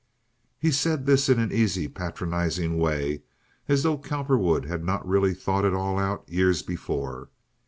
He said this in an easy, patronizing way, as though Cowperwood had not really thought it all out years before.